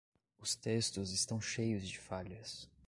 Os textos estão cheios de falhas.